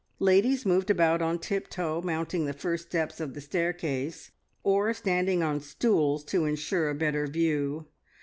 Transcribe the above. Ladies moved about on tiptoe, mounting the first steps of the staircase, or standing on stools to ensure a better view.